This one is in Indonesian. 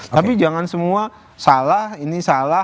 tapi jangan semua salah ini salah